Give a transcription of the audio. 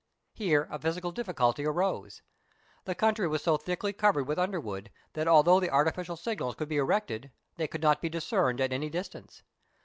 Here a physical difficulty arose. The country was so thickly covered with underwood, that although the artificial signals could be erected, they could not be discerned at any dis tance.